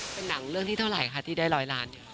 เป็นหนังเรื่องที่เท่าไหร่คะที่ได้ร้อยล้าน